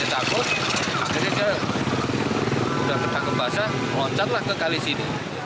jadi sudah ketakut basah loncatlah ke kalis ini